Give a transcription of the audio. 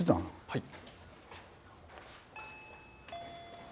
はい。